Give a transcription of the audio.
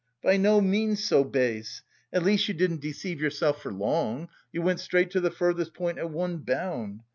By no means so base! At least you didn't deceive yourself for long, you went straight to the furthest point at one bound.